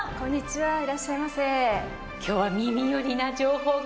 はい。